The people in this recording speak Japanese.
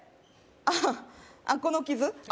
あっこの傷？